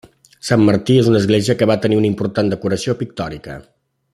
Sant Martí és una església que va tenir una important decoració pictòrica.